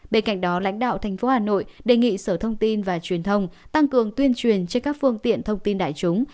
bên cạnh đó lãnh đạo tp hà nội đề nghị sở thông tin và truyền thông tăng cường tuyên truyền trên các phương tiện thông tin đại chúng